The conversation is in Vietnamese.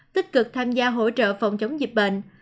tích cực tham gia hỗ trợ phòng chống dịch bệnh